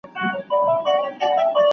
د اتموسفیر جوړښت به له منځه ولاړ شي.